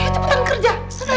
ayo cepetan kerja